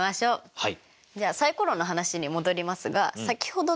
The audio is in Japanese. はい。